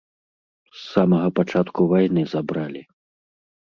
З самага пачатку вайны забралі.